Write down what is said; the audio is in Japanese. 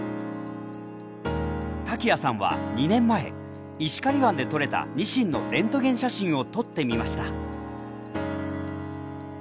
瀧谷さんは２年前石狩湾でとれたニシンのレントゲン写真を撮ってみました。